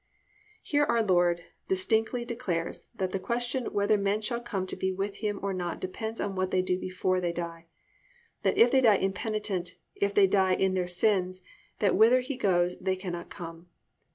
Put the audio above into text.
"+ Here our Lord distinctly declares that the question whether men shall come to be with Him or not depends upon what they do before they die, that if they die impenitent, if they "die in their sins," that whither He goes they cannot come.